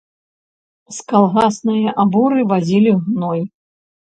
З калгаснае аборы вазілі гной.